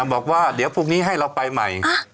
บอกว่าเดี๋ยวพรุ่งนี้ให้เราไปใหม่